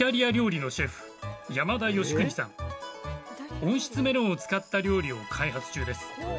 温室メロンを使った料理を開発中です。